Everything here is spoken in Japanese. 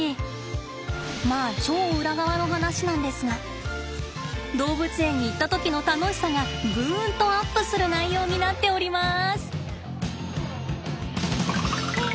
まあ超裏側の話なんですが動物園に行った時の楽しさがぐんとアップする内容になっております。